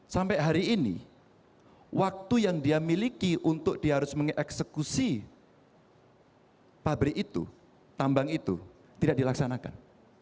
sampai hari ini waktu yang dia miliki untuk dia harus mengeksekusi pabrik itu tambang itu tidak dilaksanakan